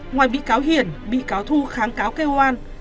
ngoài bị cáo hiền bị cáo thu kháng cáo kêu an